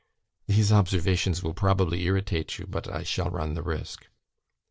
These observations will probably irritate you, but I shall run the risk.